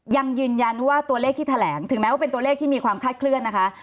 ยังยืนยันว่าตัวเลขที่แถลงถึงแม้ว่าเป็นตัวเลขที่มีความคาดเคลื่อนนะคะ